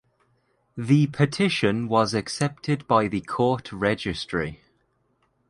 The petition was accepted by the court registry.